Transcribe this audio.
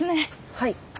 はい。